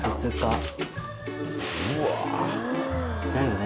だよね？